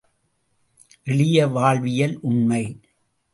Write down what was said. எளிய வாழ்வியல் உண்மை!